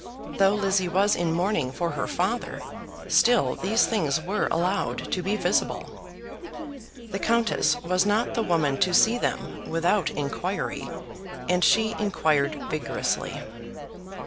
Though Lizzie was in mourning for her father, still these things were allowed to be visible. The countess was not the woman to see them without inquiry, and she inquired vigorously.